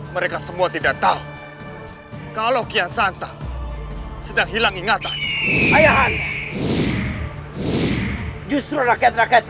mereka semua tidak tahu kalau kian santa sedang hilang ingatan ayahan justru rakyat rakyat